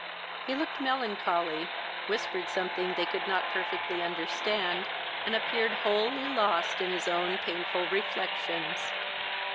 He looked melancholy, whispered something they could not perfectly understand, and appeared wholly lost in his own painful reflections.